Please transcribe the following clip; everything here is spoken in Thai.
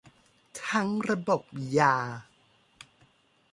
ทั้งระบบยา